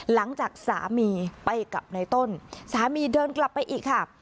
หลังจากสามีไปกับในต้นสามีเดินกลับไปอีกค่ะ